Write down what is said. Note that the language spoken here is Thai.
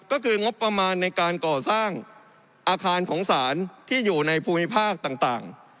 ก็คืองบประมาณในการก่อสร้างอาคารของศาลที่อยู่ในภูมิภาคต่าง